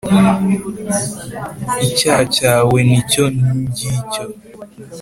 icyaha cyawe ni icyo ngicyo.